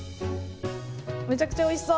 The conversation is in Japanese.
めちゃくちゃおいしそう。